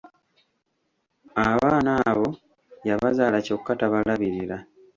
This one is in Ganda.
Abaana abo yabazaala kyokka tabalabirira.